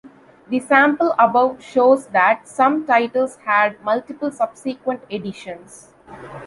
The sample above shows that some titles had multiple subsequent editions.